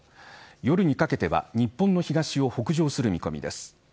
夜にかけては日本の東を北上する見込みです。